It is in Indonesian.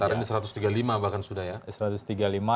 sekarang ini satu ratus tiga puluh lima bahkan sudah ya